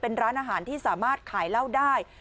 เป็นร้านอาหารที่สามารถขายเหล้าได้